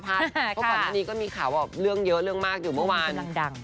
เพราะก่อนหน้านี้ก็มีข่าวเรื่องเยอะเรื่องมากอยู่เมื่อวานดัง